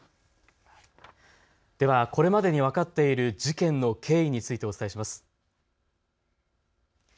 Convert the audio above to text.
ではこれまでに分かっている事件の経緯についてお伝えします。